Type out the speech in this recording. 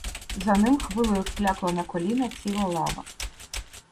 За ним хвилею вклякла на коліна ціла лава.